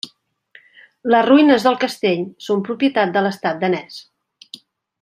Les ruïnes del castell són propietat de l'estat danès.